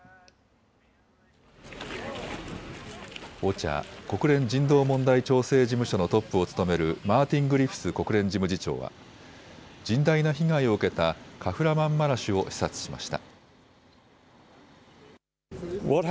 ＯＣＨＡ・国連人道問題調整事務所のトップを務めるマーティン・グリフィス国連事務次長は、甚大な被害を受けたカフラマンマラシュを視察しました。